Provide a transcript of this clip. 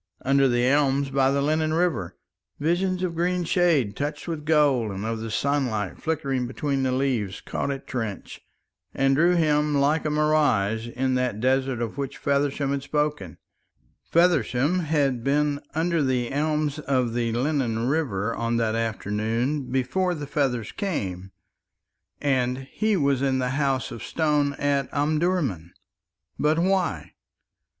"Under the elms by the Lennon River " Visions of green shade touched with gold, and of the sunlight flickering between the leaves, caught at Trench and drew him like a mirage in that desert of which Feversham had spoken. Feversham had been under the elms of the Lennon River on that afternoon before the feathers came, and he was in the House of Stone at Omdurman. But why?